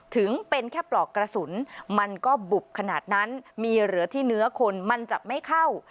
ถึงเป็นแค่ปลอกกระสุนมันก็บุบขนาดนั้นมีเหลือที่เนื้อคนมันจะไม่เข้า